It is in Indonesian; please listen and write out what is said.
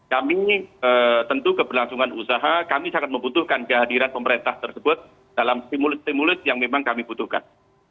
kami tentu keberlangsungan usaha kami sangat membutuhkan kehadiran pemerintah tersebut dalam stimulus stimulus yang memang kami butuhkan